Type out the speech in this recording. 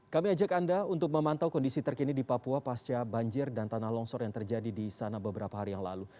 kami ajak anda untuk memantau kondisi terkini di papua pasca banjir dan tanah longsor yang terjadi di sana beberapa hari yang lalu